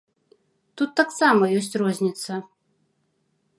Тут таксама ёсць розніца.